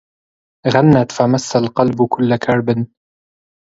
غنت فمس القلب كل كرب